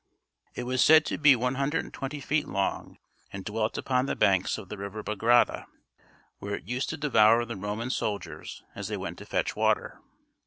It was said to be 120 feet long, and dwelt upon the banks of the river Bagrada, where it used to devour the Roman soldiers as they went to fetch water.